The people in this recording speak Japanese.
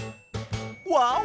ワオ！